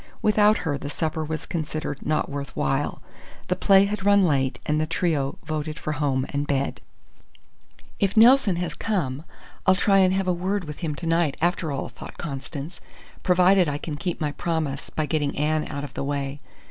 Without her, the supper was considered not worth while. The play had run late, and the trio voted for home and bed. "If Nelson has come, I'll try and have a word with him to night, after all," thought Constance, "provided I can keep my promise by getting Anne out of the way.